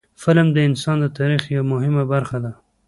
فلم د انسان د تاریخ یوه مهمه برخه ده